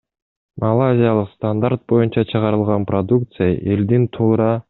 Малайзиялык стандарт боюнча чыгарылган продукция элдин туура